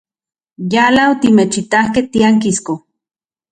Yala otimechitakej tiankisko.